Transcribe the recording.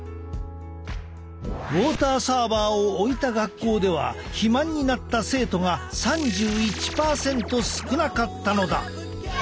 ウォーターサーバーを置いた学校では肥満になった生徒が３１％少なかったのだ。